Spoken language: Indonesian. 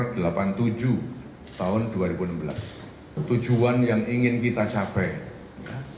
yang diperoleh oleh kementerian pertahanan dan pertahanan pertahanan pertahanan pertahanan pertahanan